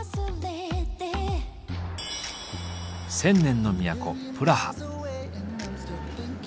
千年の都プラハ。